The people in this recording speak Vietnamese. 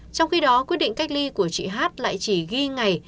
trong khi đó quyết định cách ly của chị hát lại chỉ ghi ngày